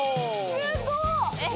すごっ。